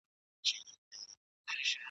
ایوب خان به یو غازي پاته سي.